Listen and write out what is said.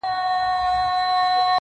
څوک وتله څوک په غار ننوتله,